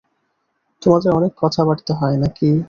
তোমাদের অনেক কথাবার্তা হয় নাকি?